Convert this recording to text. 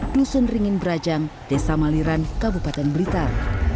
dusun ringin berajang desa maliran kabupaten blitar